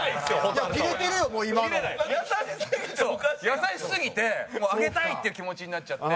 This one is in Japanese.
優しすぎてもうあげたい！って気持ちになっちゃって。